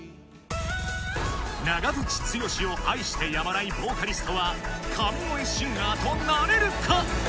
長渕剛を愛してやまないボーカリストは神声シンガーとなれるか？